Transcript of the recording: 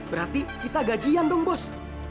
berarti kita gajian dong bos